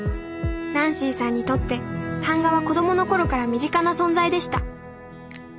ナンシーさんにとって版画は子供の頃から身近な存在でした。